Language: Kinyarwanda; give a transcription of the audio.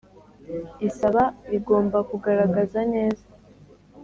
Isaba rigomba kugaragaza neza